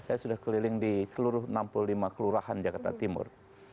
saya sudah keliling di seluruh enam puluh lima kelurahan jakarta timur